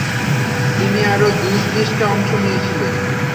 তিনি আরও দুই টেস্টে অংশ নিয়েছিলেন।